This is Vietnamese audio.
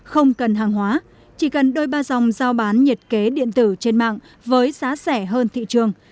không cần hàng hóa chỉ cần đôi ba dòng giao bán nhiệt kế điện tử trên mạng với giá rẻ hơn thị trường